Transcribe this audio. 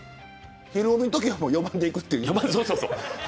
ひるおびのときは４番でいくって言ってました。